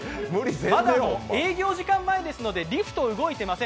まだ、営業時間前ですのでリフトが動いていません。